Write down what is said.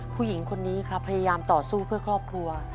ผู้หญิงคนนี้ครับพยายามต่อสู้เพื่อครอบครัว